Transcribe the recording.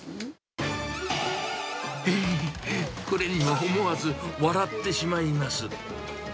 ええ、これには思わず笑ってしまいます。